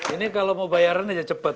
ini kalau mau bayaran aja cepet